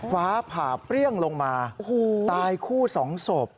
ฟ้าผ่าเปรี้ยงลงมาตายคู่๒ศพ